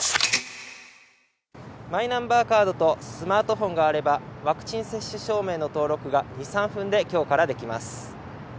マイナンバーカードとスマートフォンがあればワクチン接種証明の登録が２３分で今日からできます。